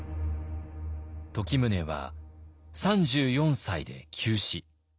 時宗は３４歳で急死。